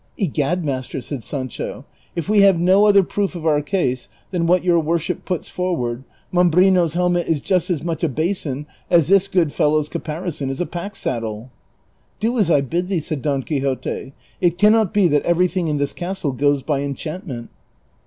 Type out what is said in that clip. " Egad, master," said Sancho, " if we have no other proof of our case than what your worship puts forward, Mambrino's helmet is just as much a basin as this good fellow's caparison is a pack saddle." " Do as I bid thee," said Don Quixote ;" it can not be that everything in this castle goes by enchantment."